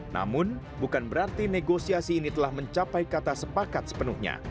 namun bukan berarti negosiasi ini telah mencapai kata sepakat sepenuhnya